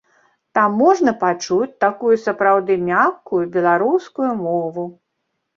Там можна пачуць такую сапраўды мяккую беларускую мову.